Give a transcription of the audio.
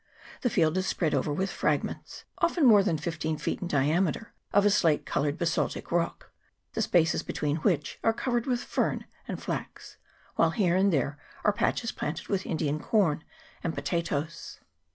The field is spead over with fragments, often more than fifteen feet in diameter, of a slate coloured basaltic rock, the spaces between which are covered with fern and flax ; while here and there are patches planted with Indian corn and potatoes.